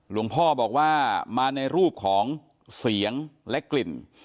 หลวงพ่อบอกว่ามาในรูปของเสียงและกลิ่น